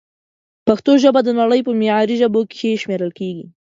پښتو ژبه د نړۍ په معياري ژبو کښې شمېرل کېږي